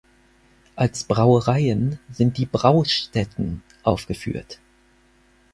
Als Brauereien sind die Braustätten aufgeführt.